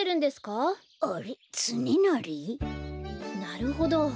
なるほど。